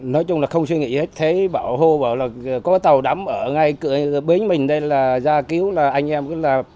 nói chung là không suy nghĩ hết thế bảo hộ bảo là có tàu đắm ở ngay bến mình đây là ra cứu là anh em cứ là